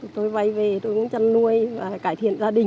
tôi vay về tôi cũng chăn nuôi và cải thiện gia đình